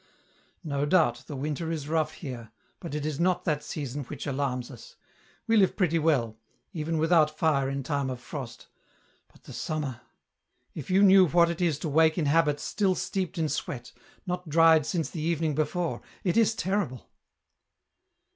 " No doubt the winter is rough here, but it is not that season which alarms us ; we live pretty well, even without fire in time of frost, but the summer —! If you knew what it is to wake in habits still steeped in sweat, not dried since the evening before, it is terrible